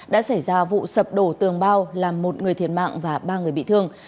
đã xảy ra vụ sập đổ tường bao làm một người thiệt mạng và ba người bị thương